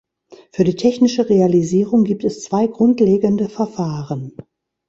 Für die technische Realisierung gibt es zwei grundlegende Verfahren.